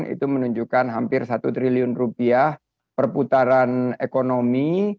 itu menunjukkan hampir satu triliun rupiah perputaran ekonomi